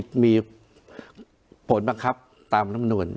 แต่ว่ามีผลประกับตามน้ำนุน